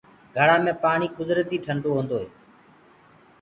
گھڙآ مي پآڻي ڪُدرتي ٺنڊو هوندو هي۔